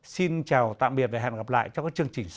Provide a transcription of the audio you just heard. xin chào tạm biệt và hẹn gặp lại trong các chương trình sau